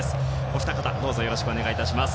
お二方、どうぞよろしくお願いいたします。